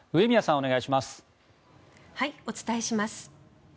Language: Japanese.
お伝えします。